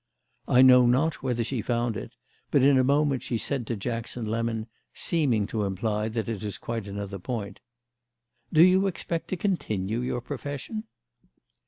I know not whether she found it, but in a moment she said to Jackson Lemon, seeming to imply that it was quite another point: "Do you expect to continue your profession?"